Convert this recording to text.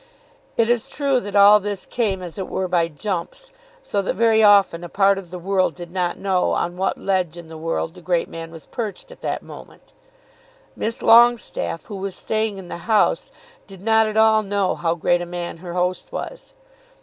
It is true that all this came as it were by jumps, so that very often a part of the world did not know on what ledge in the world the great man was perched at that moment. Miss Longestaffe who was staying in the house did not at all know how great a man her host was.